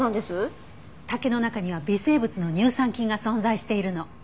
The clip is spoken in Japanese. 竹の中には微生物の乳酸菌が存在しているの。